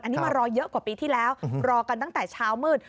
อันนี้มารอเยอะกว่าปีที่แล้วรอกันตั้งแต่เช้ามืด